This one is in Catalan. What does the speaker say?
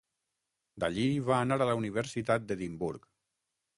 D'allí, va anar a la Universitat d'Edimburg.